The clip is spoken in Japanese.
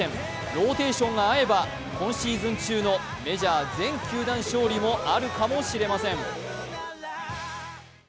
ローテーションが合えば今シーズン中のメジャー全球団勝利もあるかもしれません。